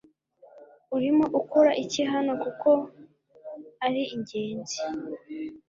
Urimo ukora iki hano kuko ari ingenzi